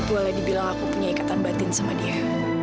boleh dibilang aku punya ikatan batin sama dia